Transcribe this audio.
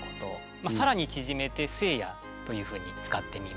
まあ更に縮めて「聖夜」というふうに使ってみました。